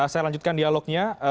saya lanjutkan dialognya